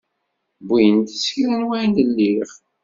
Wwint s kra n wayen liɣ.